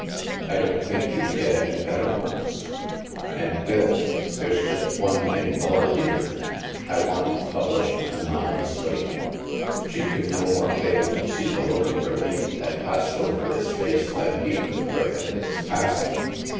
" I don't think you'd get any better ones. " And, Phil — there's just one thing more, dear ; I want it published anonymously." She could no more fail to see the look of relief (( u HAVEN 281 that passed over his face than he could prevent its passing.